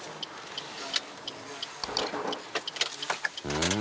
うん。